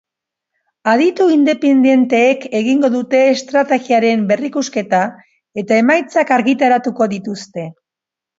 Aditu independenteek egingo dute estrategiaren berrikusketa eta emaitzak argitaratuko dituzte.